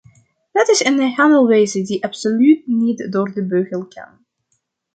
Dat is een handelwijze die absoluut niet door de beugel kan.